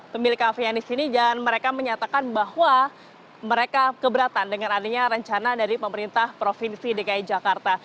pemilik kafe yang di sini dan mereka menyatakan bahwa mereka keberatan dengan adanya rencana dari pemerintah provinsi dki jakarta